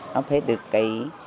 nó phải được kỹ